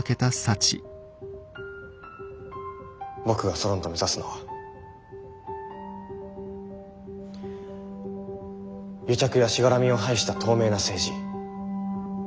僕がソロンと目指すのは癒着やしがらみを排した透明な政治。